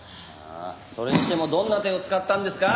それにしてもどんな手を使ったんですか？